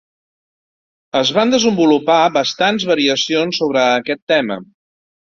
Es van desenvolupar bastants variacions sobre aquest tema.